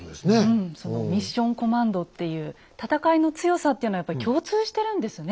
うんそのミッション・コマンドっていう戦いの強さっていうのはやっぱり共通してるんですね